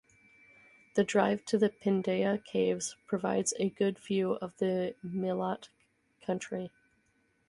The drive to the Pindaya Caves provides a good view of the Myelat country.